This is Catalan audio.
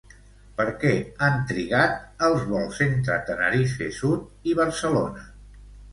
Per què han trigat els vols entre Tenerife Sud i Barcelona?